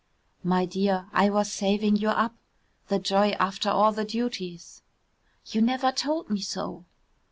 "My dear, I was saving you up. The joy after all the duties." "You never told me so."